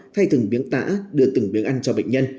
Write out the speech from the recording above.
thay từng biếng tả đưa từng biếng ăn cho bệnh nhân